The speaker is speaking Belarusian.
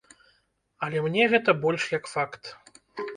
Але мне гэта больш як факт.